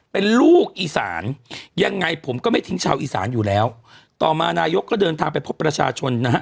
เป็นลูกอีสานยังไงผมก็ไม่ทิ้งชาวอีสานอยู่แล้วต่อมานายกก็เดินทางไปพบประชาชนนะฮะ